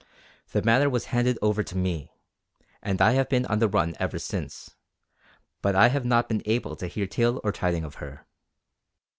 The matter was handed over to me, and I have been on the run ever since; but I have not been able to hear tale or tiding of her.